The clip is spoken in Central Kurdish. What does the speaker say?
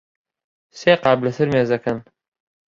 سێ قاپ لەسەر مێزەکەن.